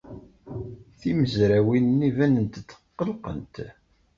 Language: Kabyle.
Timezrawin-nni banent-d tqellqent.